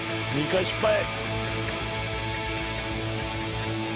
「３回失敗」